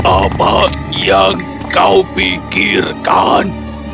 apa yang kau pikirkan